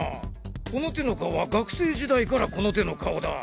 この手の顔は学生時代からこの手の顔だ。